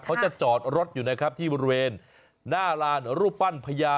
เขาจะจอดรถอยู่นะครับที่บริเวณหน้าลานรูปปั้นพญา